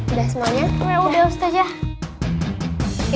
udah semuanya udah udah udah